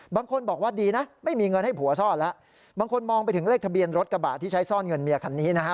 บางคนบอกว่าดีนะไม่มีเงินให้ผัวซ่อนแล้วบางคนมองไปถึงเลขทะเบียนรถกระบะที่ใช้ซ่อนเงินเมียคันนี้นะฮะ